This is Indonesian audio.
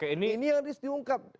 ini yang harus diungkap